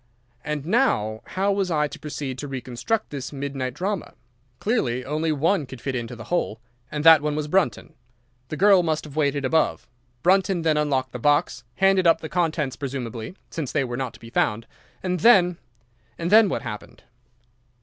"And now how was I to proceed to reconstruct this midnight drama? Clearly, only one could fit into the hole, and that one was Brunton. The girl must have waited above. Brunton then unlocked the box, handed up the contents presumably—since they were not to be found—and then—and then what happened?